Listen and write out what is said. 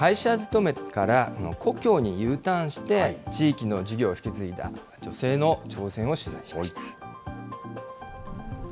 会社勤めから故郷にＵターンして、地域の事業を引き継いだ女性の挑戦を取材しました。